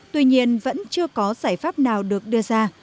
tuy nhiên vẫn chưa có giải pháp nào được đưa ra